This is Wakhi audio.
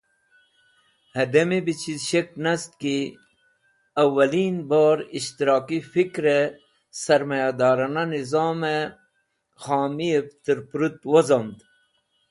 Hademi be Chiz Shek Nastki Awalin Bor Ishtiraki Fikre Sarmaya Darana Nizome Khamiev Turprut Wozomd.